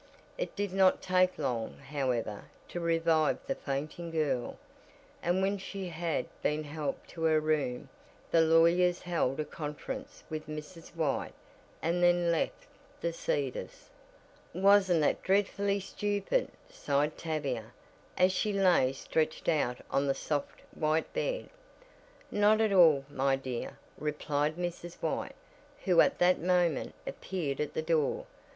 It did not take long, however, to revive the fainting girl, and when she had been helped to her room the lawyers held a conference with Mrs. White and then left the Cedars. "Wasn't that dreadfully stupid!" sighed Tavia, as she lay stretched out on the soft, white bed. "Not at all, my dear," replied Mrs. White, who at that moment appeared at the door.